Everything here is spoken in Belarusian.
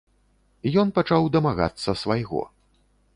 Ён пачаў дамагацца свайго.